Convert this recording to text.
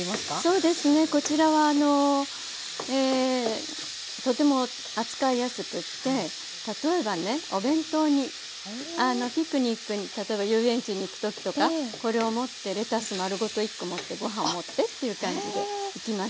そうですねこちらはあのとても扱いやすくて例えばねお弁当にピクニックに例えば遊園地に行く時とかこれを持ってレタス丸ごと１コ持ってご飯を持ってという感じで行きました。